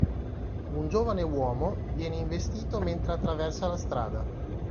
Un giovane uomo viene investito mentre attraversa la strada.